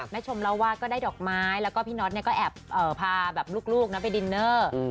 นัทชมเราว่าก็ได้ดอกไม้แล้วก็พี่น๊อตก็เอาลูกไปดินเนอร์